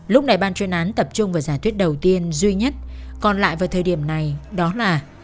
lúc này ban chuyên án tập trung vào giả thuyết đầu tiên duy nhất còn lại vào thời điểm này đó là